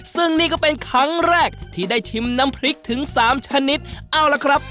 ซึ่งนี่ก็เป็นครั้งแรกที่ได้ชิมน้ำพริกถึงสามชนิดเอาละครับ